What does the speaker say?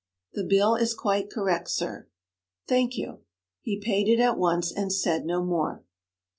'The bill is quite correct, sir.' 'Thank you.' He paid it at once and said no more.